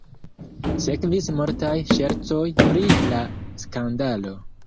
Sekvis multaj ŝercoj pri la skandalo.